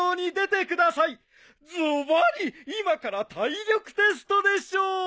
ズバリ今から体力テストでしょう！